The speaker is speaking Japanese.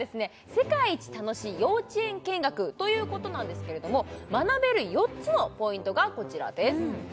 世界一楽しい幼稚園見学ということなんですけれども学べる４つのポイントがこちらです